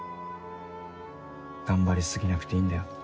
頑張り過ぎなくていいんだよ。